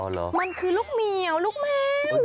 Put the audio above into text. เหรอมันคือลูกเหมียวลูกแมว